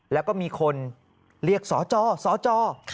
แล้วก็มีคนเรียกสจสจ